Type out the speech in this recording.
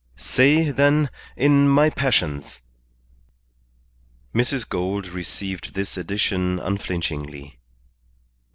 "Say, then, in my passions." Mrs. Gould received this addition unflinchingly.